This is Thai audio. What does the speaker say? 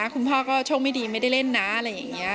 คุณพ่อก็โชคไม่ดีไม่ได้เล่นนะอะไรอย่างนี้